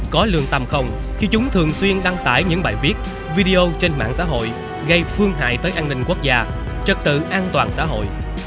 có lương tâm không khi chúng thường xuyên đăng tải những bài viết video trên mạng xã hội gây phương hại tới an ninh quốc gia trật tự an toàn xã hội